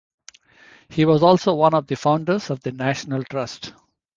He was also one of the founders of the National Trust.